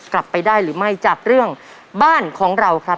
กลับไปได้หรือไม่จากเรื่องบ้านของเราครับ